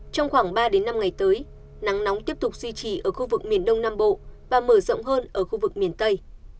trong khoảng ba năm ngày tới nắng nóng tiếp tục duy trì ở khu vực miền đông nam bộ và mở rộng hơn ở khu vực miền tây